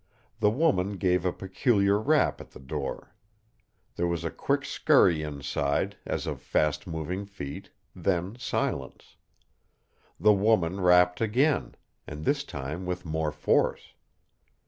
The woman gave a peculiar rap at the door. There was a quick scurry inside, as of fast moving feet, then silence. The woman rapped again, and this time with more force.